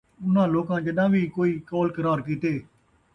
اُنھاں لوکاں ڄَݙاں وِی کوئی قول قرار کِیتے ،